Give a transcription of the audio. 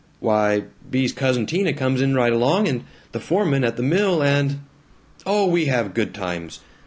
"Why, Bea's cousin Tina comes in right along, and the foreman at the mill, and Oh, we have good times.